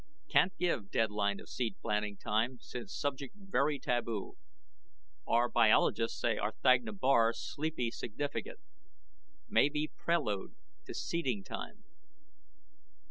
CAN'T GIVE DEADLINE OF SEED PLANTING TIME SINCE SUBJECT VERY TABOO. OUR BIOLOGISTS SAY R'THAGNA BAR SLEEPY SIGNIFICANT. MAY BE PRELUDE TO SEEDING TIME.